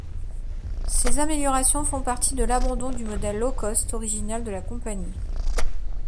Ces améliorations font partie de l'abandon du modèle low-cost original de la compagnie.